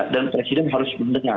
dan presiden harus mendengar